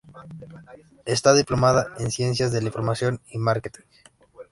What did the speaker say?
Está diplomada en ciencias de la información y márketing.